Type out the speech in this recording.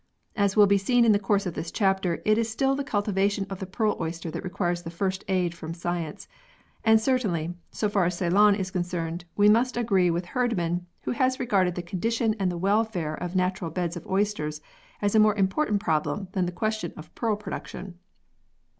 As will be seen in the course of this chapter it is still the cultivation of the pearl oyster that requires the first aid from science, and cer tainly, so far as Ceylon is concerned, we must agree with Herdman, who has regarded the condition and the welfare of natural beds of oysters as a more important problem than the question of pearl production.